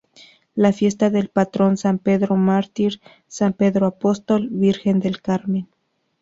La fiesta del patrón san Pedro Mártir, san Pedro Apóstol, virgen del Carmen.